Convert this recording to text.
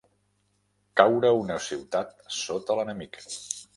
Caure una ciutat sota l'enemic.